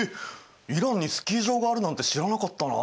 イランにスキー場があるなんて知らなかったな。